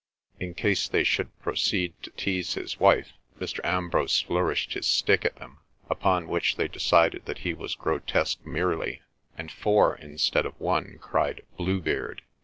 In case they should proceed to tease his wife, Mr. Ambrose flourished his stick at them, upon which they decided that he was grotesque merely, and four instead of one cried "Bluebeard!"